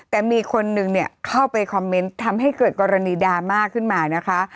แต่มีคนนึงเนี่ยเข้าไปคอมเมนต์ทำให้เกิดกรณีดราม่าขึ้นมานะคะ